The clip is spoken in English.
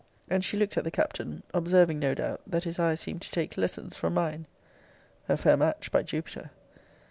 And she looked at the Captain, observing, no doubt, that his eyes seemed to take lessons from mine. A fair match, by Jupiter!